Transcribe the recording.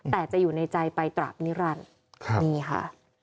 แต่จะอยู่ในใจไปตราบนิรันดิ์นี่ค่ะ